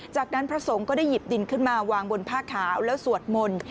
จากนั้นพระสงฆ์ก็ได้หยิบดินขึ้นมาวางบนผ้าขาวแล้วสวดมนต์